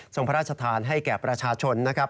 พระราชทานให้แก่ประชาชนนะครับ